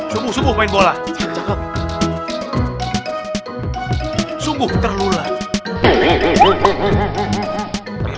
sumbuh sumbuh main bola